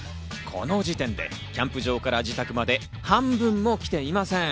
この時点でキャンプ場から自宅まで半分もきていません。